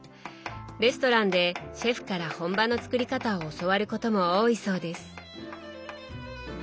レストランでシェフから本場の作り方を教わることも多いそうです。